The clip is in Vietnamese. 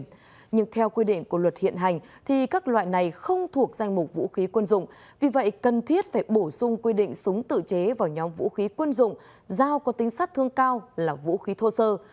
nhưng theo quy định của luật hiện hành các loại này không thuộc danh mục vũ khí quân dụng vì vậy cần thiết phải bổ sung quy định súng tự chế vào nhóm vũ khí quân dụng giao có tính sát thương cao là vũ khí thô sơ